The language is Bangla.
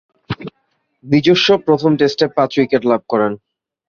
নিজস্ব প্রথম টেস্টে পাঁচ উইকেট লাভ করেন।